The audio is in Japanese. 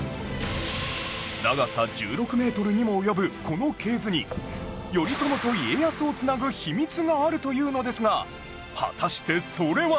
長さ１６メートルにも及ぶこの系図に頼朝と家康を繋ぐ秘密があるというのですが果たしてそれは！？